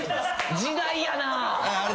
時代やなあ。